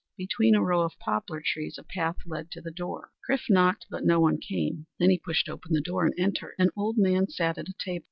Between a row of poplar trees a path led to the door. Chrif knocked, but no one came. Then he pushed open the door and entered. An old man sat at a table.